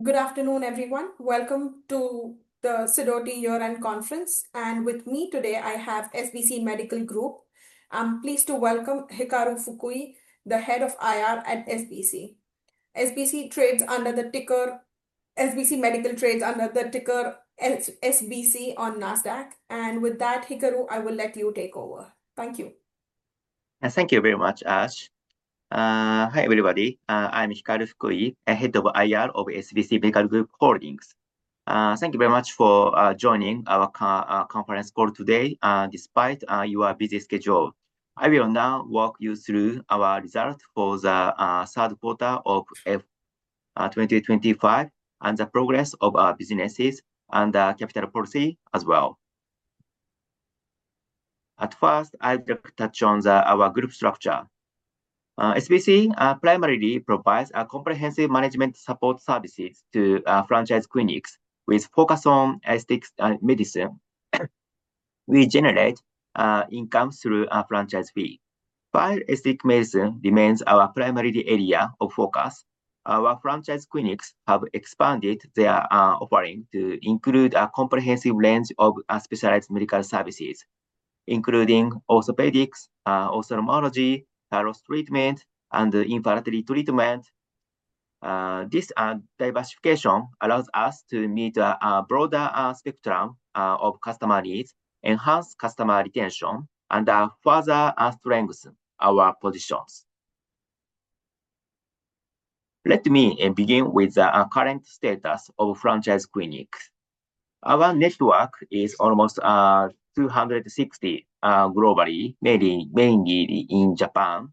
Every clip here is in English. Good afternoon, everyone. Welcome to the Sidoti Year-End Conference. And with me today, I have SBC Medical Group. I'm pleased to welcome Hikaru Fukui, the Head of IR at SBC. SBC trades under the ticker SBC on Nasdaq. And with that, Hikaru, I will let you take over. Thank you. Thank you very much, Ash. Hi, everybody. I'm Hikaru Fukui, Head of IR of SBC Medical Group Holdings. Thank you very much for joining our conference call today, despite your busy schedule. I will now walk you through our results for the third quarter of 2025 and the progress of our businesses and the capital policy as well. At first, I'd like to touch on our group structure. SBC primarily provides comprehensive management support services to franchise clinics with a focus on aesthetic medicine. We generate income through franchise fee. While aesthetic medicine remains our primary area of focus, our franchise clinics have expanded their offering to include a comprehensive range of specialized medical services, including orthopedics, ophthalmology, thorough treatment, and infertility treatment. This diversification allows us to meet a broader spectrum of customer needs, enhance customer retention, and further strengthen our positions. Let me begin with the current status of franchise clinics. Our network is almost 260 globally, mainly in Japan.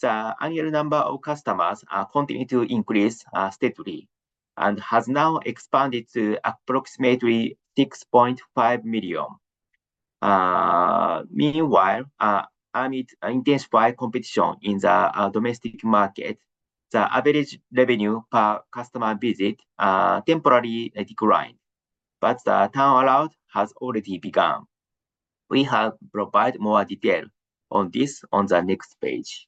The annual number of customers continues to increase steadily and has now expanded to approximately 6.5 million. Meanwhile, amid intensified competition in the domestic market, the average revenue per customer visit temporarily declined, but the turnaround has already begun. We have provided more detail on this on the next page.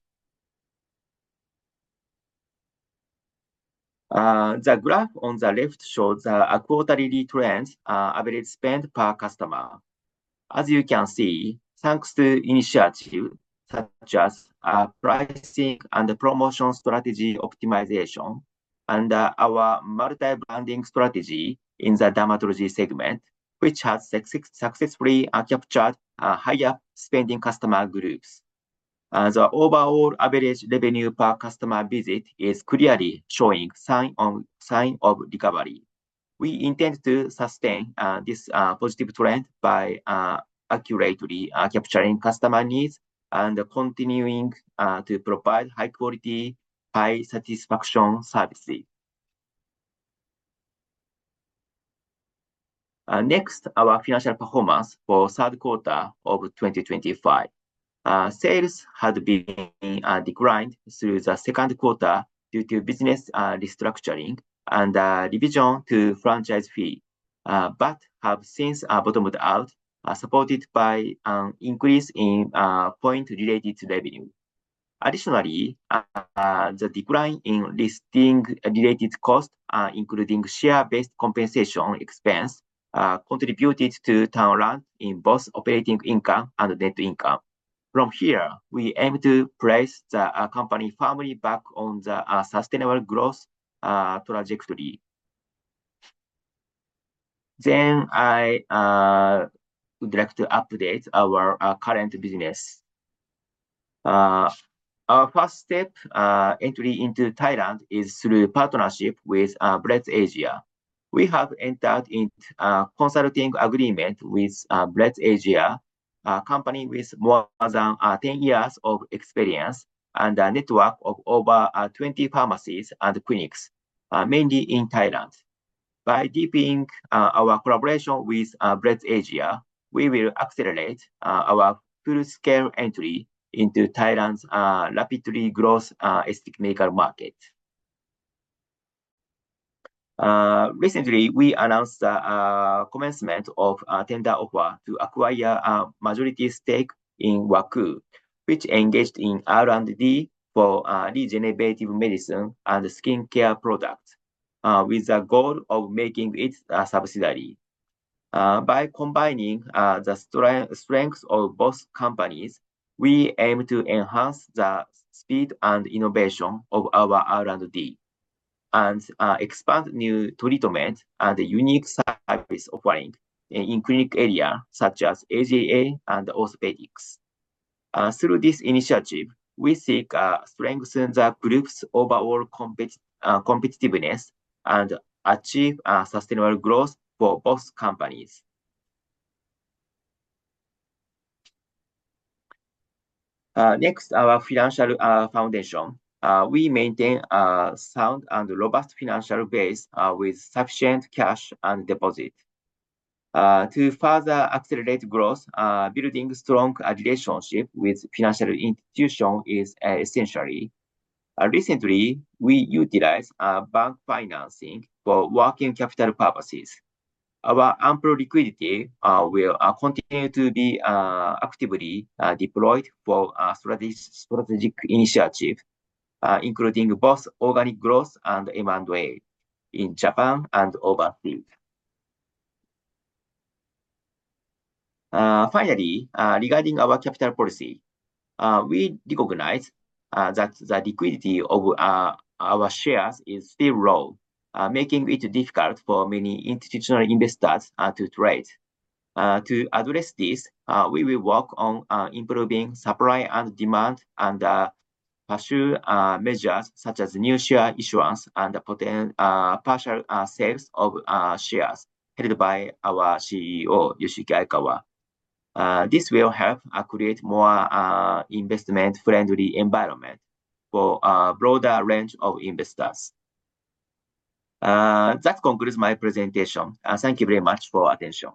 The graph on the left shows a quarterly trend, average spend per customer. As you can see, thanks to initiatives such as pricing and promotion strategy optimization, and our multi-branding strategy in the dermatology segment, which has successfully captured higher spending customer groups, the overall average revenue per customer visit is clearly showing signs of recovery. We intend to sustain this positive trend by accurately capturing customer needs and continuing to provide high-quality, high-satisfaction services. Next, our financial performance for the third quarter of 2025. Sales had declined through the second quarter due to business restructuring and a revision to franchise fee, but have since bottomed out, supported by an increase in point-related revenue. Additionally, the decline in listing-related costs, including share-based compensation expense, contributed to upturn in both operating income and net income. From here, we aim to place the company firmly back on the sustainable growth trajectory. I would like to update our current business. Our first step, entry into Thailand, is through partnership with Bright Asia. We have entered into a consulting agreement with BrightAsia, a company with more than 10 years of experience and a network of over 20 pharmacies and clinics, mainly in Thailand. By deepening our collaboration with BrightAsia, we will accelerate our full-scale entry into Thailand's rapidly growing aesthetic medical market. Recently, we announced the commencement of a tender offer to acquire a majority stake in WAKU, which engaged in R&D for regenerative medicine and skincare products, with the goal of making it a subsidiary. By combining the strengths of both companies, we aim to enhance the speed and innovation of our R&D and expand new treatment and unique service offering in clinic areas such as AJA and orthopedics. Through this initiative, we seek to strengthen the group's overall competitiveness and achieve sustainable growth for both companies. Next, our financial foundation. We maintain a sound and robust financial base with sufficient cash and deposit. To further accelerate growth, building strong relationships with financial institutions is essential. Recently, we utilized bank financing for working capital purposes. Our ample liquidity will continue to be actively deployed for strategic initiatives, including both organic growth and M&A in Japan and overseas. Finally, regarding our capital policy, we recognize that the liquidity of our shares is still low, making it difficult for many institutional investors to trade. To address this, we will work on improving supply and demand and pursue measures such as new share issuance and partial sales of shares headed by our CEO, Yoshiyuki Aikawa. This will help create a more investment-friendly environment for a broader range of investors. That concludes my presentation. Thank you very much for your attention.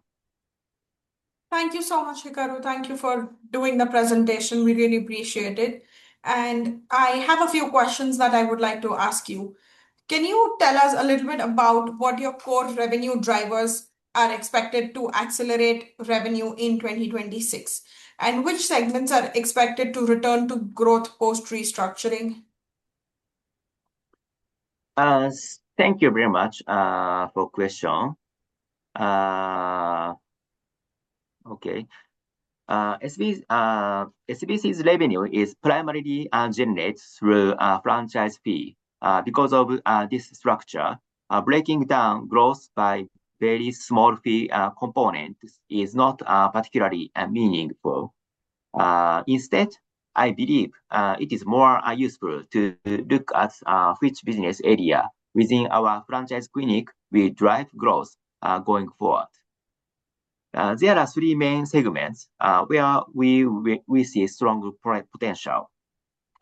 Thank you so much, Hikaru. Thank you for doing the presentation. We really appreciate it. And I have a few questions that I would like to ask you. Can you tell us a little bit about what your core revenue drivers are expected to accelerate revenue in 2026, and which segments are expected to return to growth post-restructuring? Thank you very much for the question. Okay. SBC's revenue is primarily generated through franchise fee. Because of this structure, breaking down growth by very small fee components is not particularly meaningful. Instead, I believe it is more useful to look at which business area within our franchise clinic will drive growth going forward. There are three main segments where we see strong potential.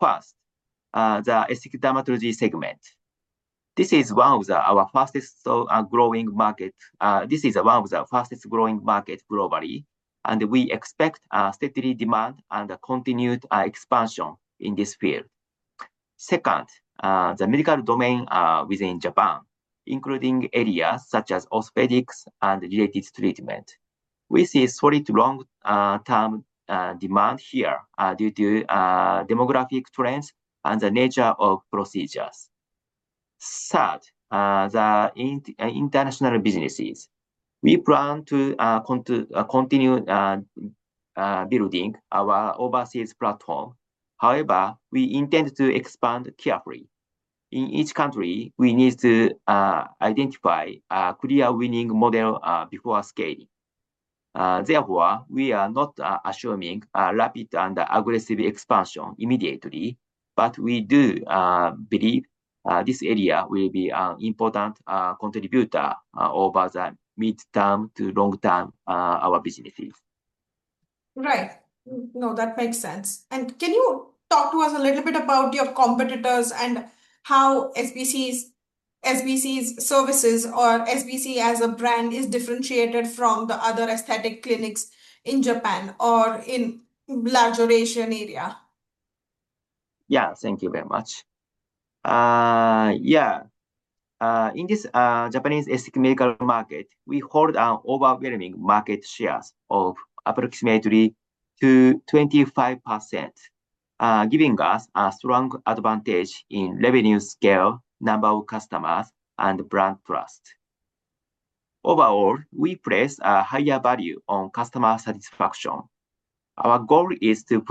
First, the aesthetic dermatology segment. This is one of our fastest growing markets. This is one of the fastest growing markets globally, and we expect steady demand and continued expansion in this field. Second, the medical domain within Japan, including areas such as orthopedics and related treatment. We see solid long-term demand here due to demographic trends and the nature of procedures. Third, the international businesses. We plan to continue building our overseas platform. However, we intend to expand carefully. In each country, we need to identify a clear winning model before scaling. Therefore, we are not assuming rapid and aggressive expansion immediately, but we do believe this area will be an important contributor over the mid-term to long-term our businesses. Right. No, that makes sense, and can you talk to us a little bit about your competitors and how SBC's services or SBC as a brand is differentiated from the other aesthetic clinics in Japan or in the metropolitan area? Yeah, thank you very much. Yeah. In this Japanese aesthetic medical market, we hold an overwhelming market share of approximately 25%, giving us a strong advantage in revenue scale, number of customers, and brand trust. Overall, we place a higher value on customer satisfaction. Our goal is to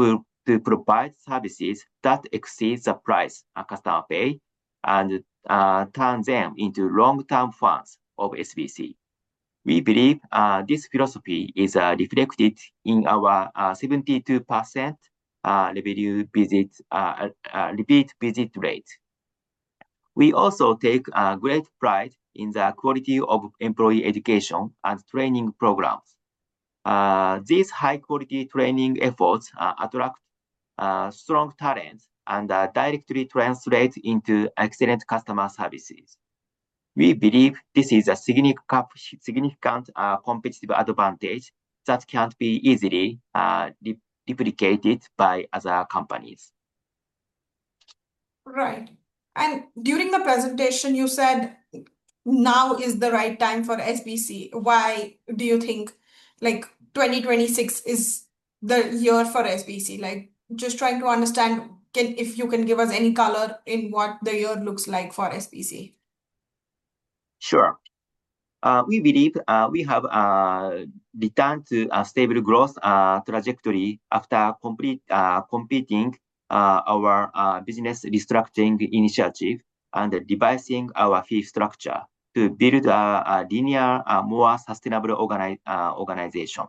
provide services that exceed the price a customer pays and turn them into long-term fans of SBC. We believe this philosophy is reflected in our 72% repeat visit rate. We also take great pride in the quality of employee education and training programs. These high-quality training efforts attract strong talents and directly translate into excellent customer services. We believe this is a significant competitive advantage that can't be easily duplicated by other companies. Right. And during the presentation, you said, "Now is the right time for SBC." Why do you think 2026 is the year for SBC? Just trying to understand if you can give us any color on what the year looks like for SBC? Sure. We believe we have returned to a stable growth trajectory after completing our business restructuring initiative and revising our fee structure to build a linear, more sustainable organization.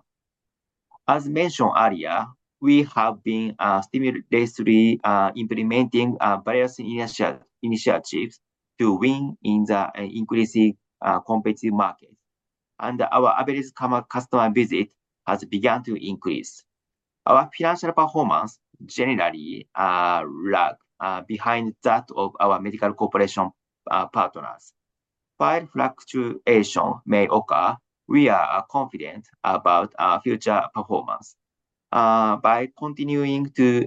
As mentioned earlier, we have been systematically implementing various initiatives to win in the increasingly competitive market, and our average customer visit has begun to increase. Our financial performance generally lags behind that of our medical corporation partners. While fluctuation may occur, we are confident about our future performance. By continuing to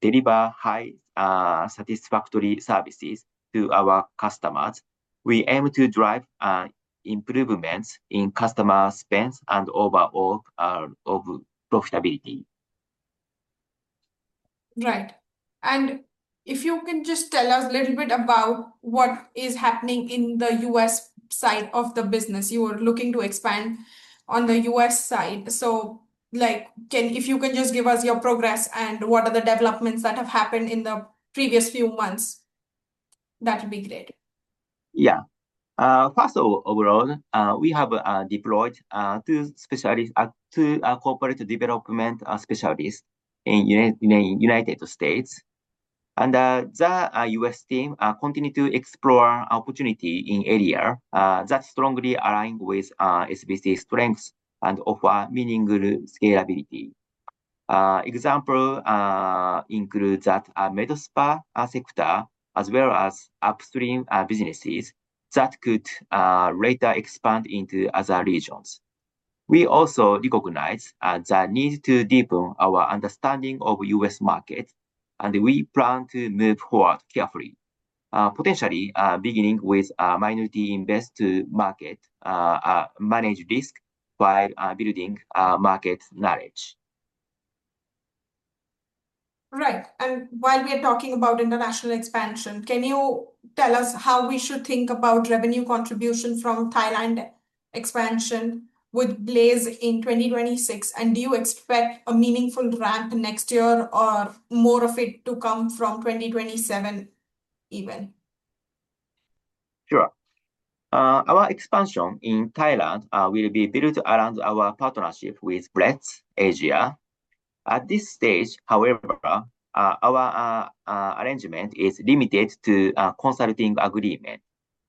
deliver highly satisfactory services to our customers, we aim to drive improvements in customer spend and overall profitability. Right. And if you can just tell us a little bit about what is happening in the U.S. side of the business? You were looking to expand on the U.S. side. So if you can just give us your progress and what are the developments that have happened in the previous few months, that would be great. Yeah. First of all, overall, we have deployed two corporate development specialists in the United States. And the U.S. team continues to explore opportunities in areas that strongly align with SBC's strengths and offer meaningful scalability. Examples include the med spa sector, as well as upstream businesses that could later expand into other regions. We also recognize the need to deepen our understanding of the U.S. market, and we plan to move forward carefully, potentially beginning with a minority-invested market, managed risk, while building market knowledge. Right. And while we are talking about international expansion, can you tell us how we should think about revenue contribution from Thailand expansion with Blaze in 2026? And do you expect a meaningful ramp next year or more of it to come from 2027 even? Sure. Our expansion in Thailand will be built around our partnership with BrightAsia. At this stage, however, our arrangement is limited to a consulting agreement,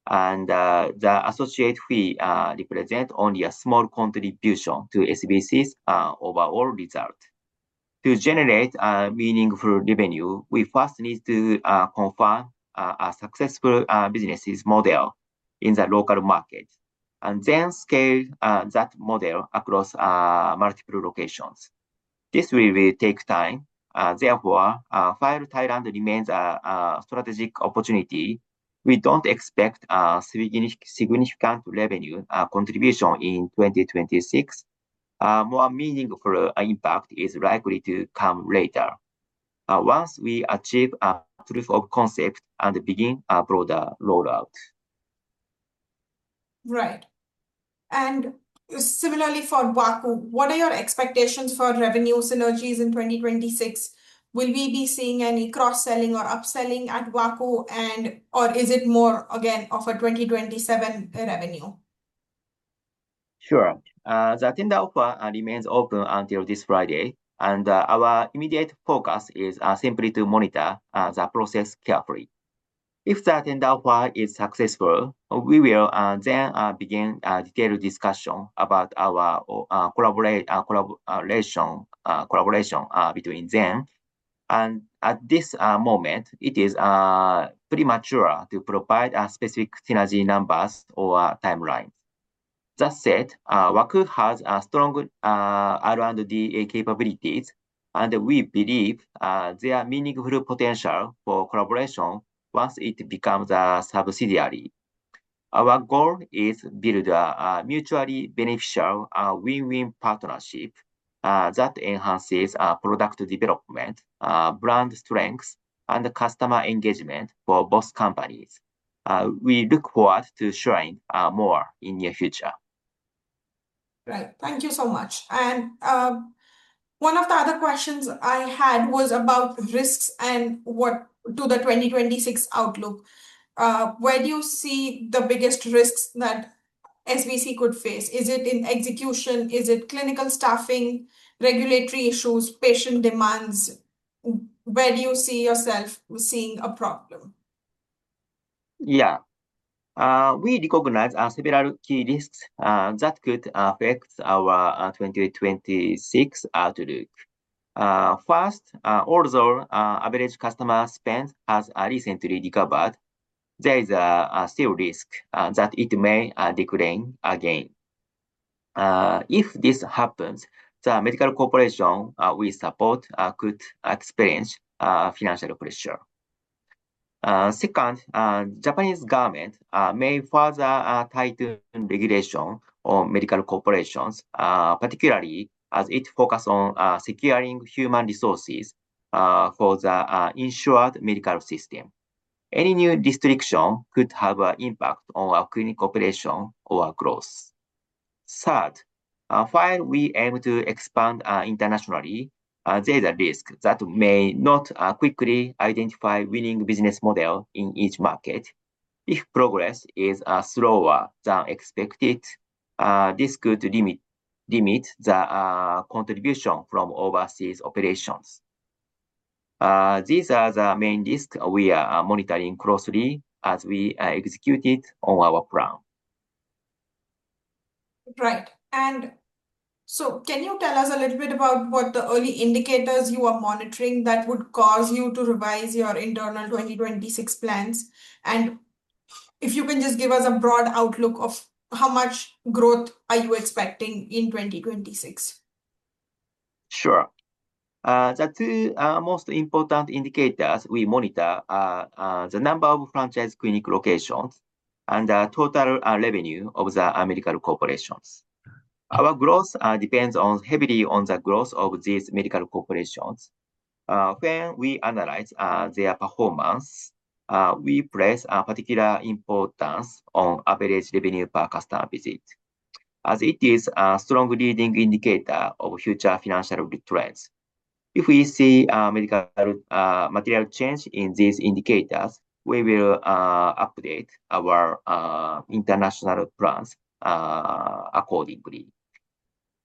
and the associate fee represents only a small contribution to SBC's overall result. To generate meaningful revenue, we first need to confirm a successful business model in the local market and then scale that model across multiple locations. This will take time. Therefore, while Thailand remains a strategic opportunity, we don't expect significant revenue contribution in 2026. More meaningful impact is likely to come later once we achieve proof of concept and begin a broader rollout. Right. And similarly for WAKU, what are your expectations for revenue synergies in 2026? Will we be seeing any cross-selling or upselling at WAKU, or is it more, again, of a 2027 revenue? Sure. The tender offer remains open until this Friday, and our immediate focus is simply to monitor the process carefully. If the tender offer is successful, we will then begin a detailed discussion about our collaboration between them. At this moment, it is premature to provide specific synergy numbers or timelines. That said, WAKU has strong R&D capabilities, and we believe there is meaningful potential for collaboration once it becomes a subsidiary. Our goal is to build a mutually beneficial win-win partnership that enhances product development, brand strength, and customer engagement for both companies. We look forward to sharing more in the near future. Right. Thank you so much. And one of the other questions I had was about risks and what to the 2026 outlook. Where do you see the biggest risks that SBC could face? Is it in execution? Is it clinical staffing, regulatory issues, patient demands? Where do you see yourself seeing a problem? Yeah. We recognize several key risks that could affect our 2026 outlook. First, although average customer spend has recently recovered, there is still a risk that it may decline again. If this happens, the medical corporation we support could experience financial pressure. Second, the Japanese government may further tighten regulations on medical corporations, particularly as it focuses on securing human resources for the insured medical system. Any new restriction could have an impact on our clinical operation or growth. Third, while we aim to expand internationally, there is a risk that we may not quickly identify a winning business model in each market. If progress is slower than expected, this could limit the contribution from overseas operations. These are the main risks we are monitoring closely as we execute on our plan. Right. And so can you tell us a little bit about what the early indicators you are monitoring that would cause you to revise your internal 2026 plans? And if you can just give us a broad outlook of how much growth are you expecting in 2026? Sure. The two most important indicators we monitor are the number of franchise clinic locations and the total revenue of the medical corporations. Our growth depends heavily on the growth of these medical corporations. When we analyze their performance, we place particular importance on average revenue per customer visit, as it is a strong leading indicator of future financial trends. If we see a material change in these indicators, we will update our international plans accordingly.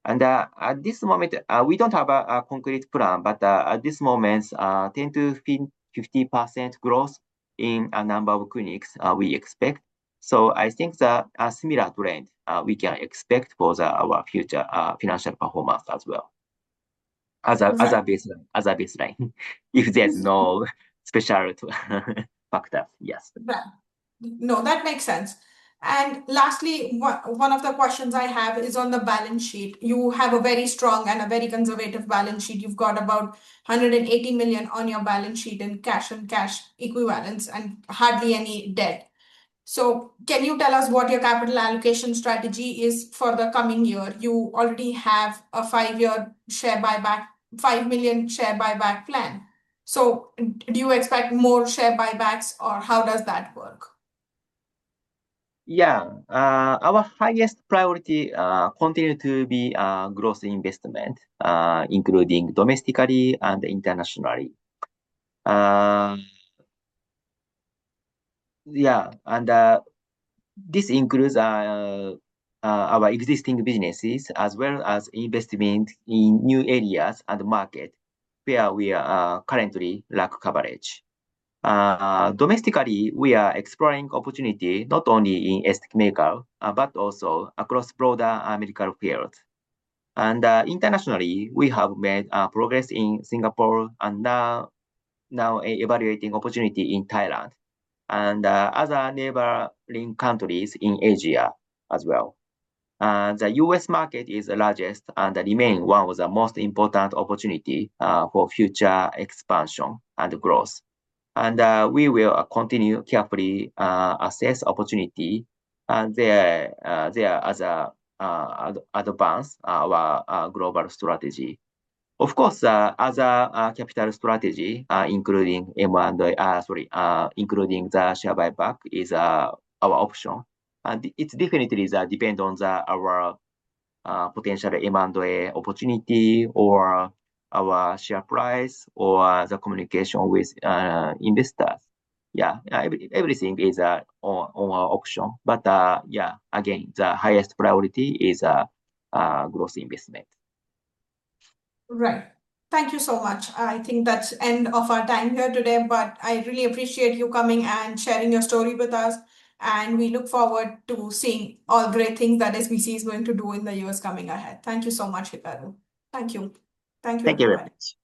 At this moment, we don't have a concrete plan, but 10%-15% growth in the number of clinics we expect. I think that a similar trend we can expect for our future financial performance as well as a baseline if there's no special factor. Yes. No, that makes sense. And lastly, one of the questions I have is on the balance sheet. You have a very strong and a very conservative balance sheet. You've got about $180 million on your balance sheet in cash and cash equivalents and hardly any debt. So can you tell us what your capital allocation strategy is for the coming year? You already have a five-year share buyback, five million share buyback plan. So do you expect more share buybacks, or how does that work? Yeah. Our highest priority continues to be growth investment, including domestically and internationally. Yeah, and this includes our existing businesses as well as investment in new areas and markets where we currently lack coverage. Domestically, we are exploring opportunities not only in aesthetic medicine but also across broader medical fields, and internationally, we have made progress in Singapore and are now evaluating opportunities in Thailand and other neighboring countries in Asia as well. The U.S. market is the largest and remains one of the most important opportunities for future expansion and growth, and we will continue to carefully assess opportunities as we advance our global strategy. Of course, other capital strategies, including the share buyback, are our options, and it definitely depends on our potential M&A opportunity or our share price or the communication with investors. Yeah, everything is on our options. But yeah, again, the highest priority is growth investment. Right. Thank you so much. I think that's the end of our time here today, but I really appreciate you coming and sharing your story with us. And we look forward to seeing all the great things that SBC is going to do in the U.S. coming ahead. Thank you so much, Hikaru. Thank you. Thank you very much. Thank you.